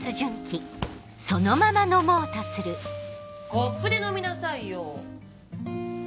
コップで飲みなさいよ。